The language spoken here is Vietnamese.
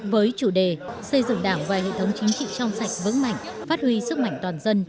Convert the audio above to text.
với chủ đề xây dựng đảng và hệ thống chính trị trong sạch vững mạnh phát huy sức mạnh toàn dân